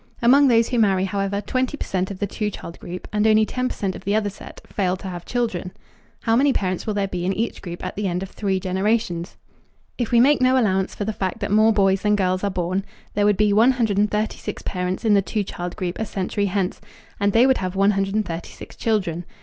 Among those who marry, however, 20 percent of the two child group, and only 10 percent of the other set, fail to have children. How many parents will there be in each group at the end of three generations? If we make no allowance for the fact that more boys than girls are born, there would be 136 parents in the two child group a century hence, and they would have 136 children.